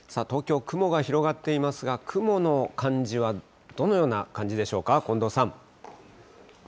東京、雲が広がっていますが、雲の感じはどのような感じでしょうか、近藤さん。